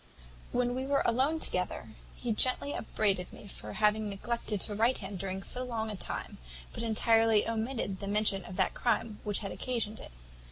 "When we were alone together, he gently upbraided me with having neglected to write to him during so long a time, but entirely omitted the mention of that crime which had occasioned it.